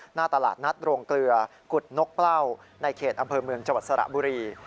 หน้าตลาดนัดโรงเกลือกุฎนกเปล้าในเขตอำเภอเมืองจังหวัดสระบุรี